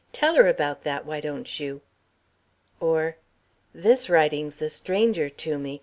Tell her about that, why don't you?" Or, "This Writing's a stranger to me.